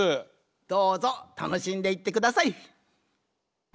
どうぞたのしんでいってください。